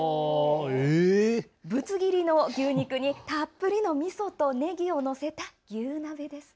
ぶつ切りの牛肉にたっぷりのみそとねぎを乗せた牛鍋です。